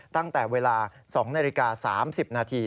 ตั้งแต่เวลา๒นาฬิกา๓๐นาที